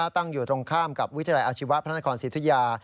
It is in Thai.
ตั้งอยู่ตรงข้ามกับวิทยาลัยอาชีวะพระนครสิทธิยา